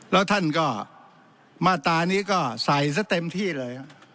แล้วท่านก็มาตรานี้ก็ใส่ซะเต็มที่เลย